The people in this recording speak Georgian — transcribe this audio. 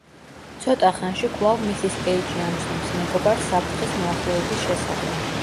ცოტა ხანში კვლავ მისის პეიჯი ამცნობს მეგობარს საფრთხის მოახლოების შესახებ.